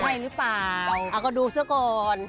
ใช่หรือเปล่าเอาก็ดูซะก่อน